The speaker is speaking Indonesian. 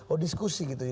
oh diskusi gitu ya